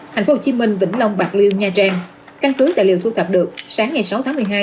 tp hcm vĩnh long bạc liêu nha trang căn cứ tài liệu thu thập được sáng ngày sáu tháng một mươi hai